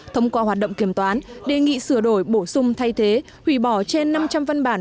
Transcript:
thông qua hoạt động kiểm toán đề nghị sửa đổi bổ sung thay thế hủy bỏ trên năm trăm linh văn bản